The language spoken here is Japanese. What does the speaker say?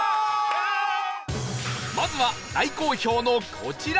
まずは大好評のこちら